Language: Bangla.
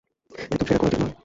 একদম সেরা কোয়ালিটির মাল।